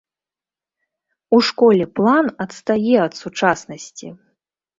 У школе план адстае ад сучаснасці.